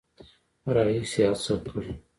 راهیسې هڅه کړې